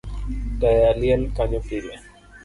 Taya liel kanyo pile